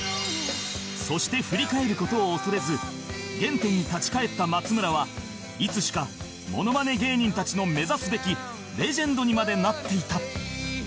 そして振り返る事を恐れず原点に立ち返った松村はいつしかモノマネ芸人たちの目指すべきレジェンドにまでなっていた